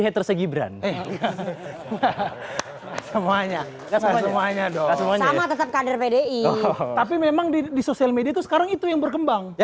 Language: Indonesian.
haters gibran semuanya semuanya dong tapi memang di sosial media sekarang itu yang berkembang ya